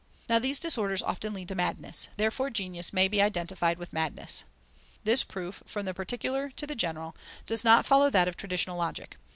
Now these disorders often lead to madness; therefore, genius may be identified with madness. This proof, from the particular to the general, does not follow that of traditional Logic.